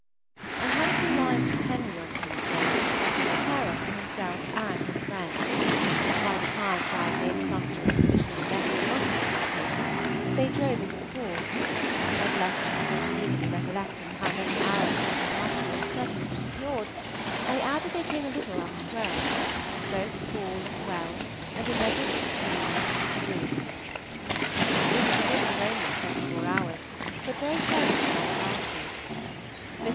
I had a few lines from Henry on Tuesday to prepare us for himself and his friend, and by the time that I had made the sumptuous provision of a neck of mutton on the occasion, they drove into the court; but lest you should not immediately recollect in how many hours a neck of mutton may be certainly procured, I add that they came a little after twelve, both tall and well, and in their different degrees agreeable. It was a visit of only twenty four hours, but very pleasant while it lasted. Mr.